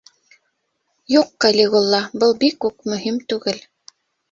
Юҡ, Калигула, был бик үк мөһим түгел.